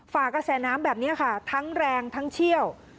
ฝากระแสน้ำแบบนี้ค่ะทั้งแรงทั้งเชี่ยว